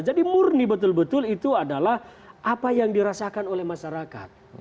jadi murni betul betul itu adalah apa yang dirasakan oleh masyarakat